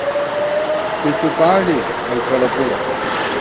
چُوچُوپانڈی اؤ کڑہ پُڑہ